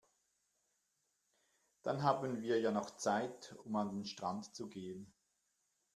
Dann haben wir ja noch Zeit, um an den Strand zu gehen.